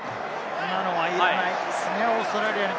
今のは痛いですね、オーストラリアは。